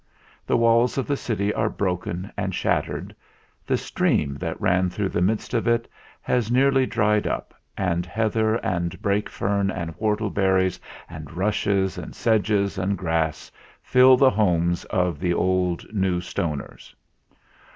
The walls of the city are broken and shattered. The stream that ran through the midst of it has nearly dried up, and heather and brake fern and whortleberries and rushes and sedges and grass fill the homes of the old New Stoners.